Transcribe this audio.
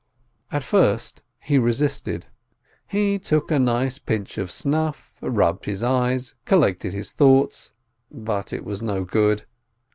At first he resisted, he took a nice pinch of snuff, rubbed his eyes, collected his thoughts, but it was no good.